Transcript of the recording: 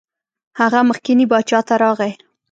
هغه مخکني باچا ته راغی.